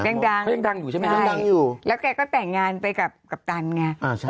ยังดังใช่ไหมยังดังอยู่แล้วแกก็แต่งงานไปกับกัปตันไงแล้วเลย